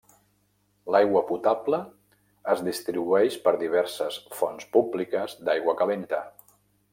L'aigua potable es distribueix per diverses fonts públiques d'aigua calenta.